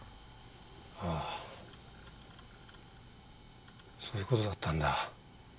ああそういう事だったんだ。